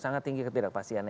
sangat tinggi ketidakpastiannya